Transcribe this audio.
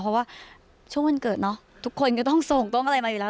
เพราะว่าช่วงวันเกิดเนอะทุกคนก็ต้องส่งต้องอะไรมาอยู่แล้ว